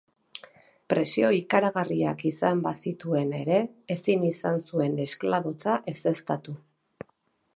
Presio ikaragarriak izan bazituen ere, ezin izan zuen esklabotza ezeztatu.